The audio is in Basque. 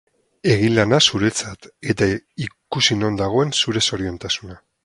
Egin lana zuretzat eta ikusi non dagoen zure zoriontasuna.